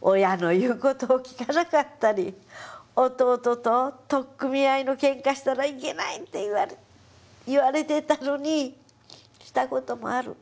親の言う事を聞かなかったり弟と取っ組み合いのケンカしたらいけないって言われてたのにした事もある。